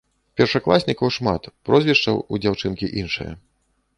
Першакласнікаў шмат, прозвішча ў дзяўчынкі іншае.